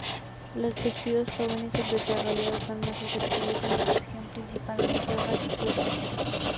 Los tejidos jóvenes subdesarrollados son más susceptibles a la infección, principalmente hojas y frutos.